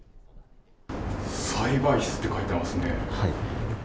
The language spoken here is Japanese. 栽培室って書いてありますね。